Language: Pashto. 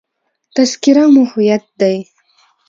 تذکره مو هویت دی.